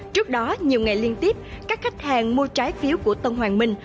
trước đó nhiều ngày liên tiếp các khách hàng mua trái phiếu của tân hoàng minh